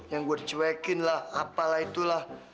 yang gue cuekin lah apalah itulah